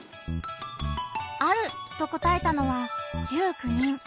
「ある」と答えたのは１９人。